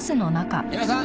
皆さん